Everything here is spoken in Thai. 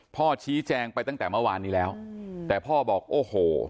พ่อชี้แจงไปตั้งแต่เมื่อวานนี้แล้วแต่พ่อบอกโอ้โห